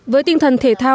với tinh thần thể thao